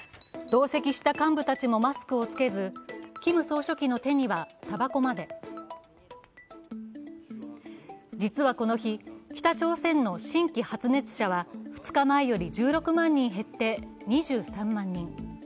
同席した幹部たちもマスクを着けず、キム総書記の手にはたばこまで実はこの日、北朝鮮の新規発熱者は２日前より１６万人減って２３万人。